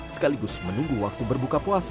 sekaligus menunggu waktu berbuka puasa